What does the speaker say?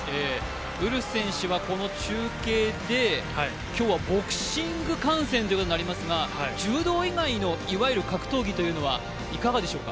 ウルフ選手はこの中継で、今日はボクシング観戦ということになりますが柔道以外の格闘技というのはいかがでしょうか？